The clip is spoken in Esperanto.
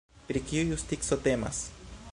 Pri kiu justico temas?